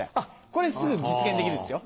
これすぐ実現できるでしょ？